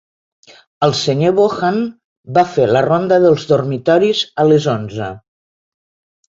El senyor Vaughan va fer la ronda dels dormitoris a les onze.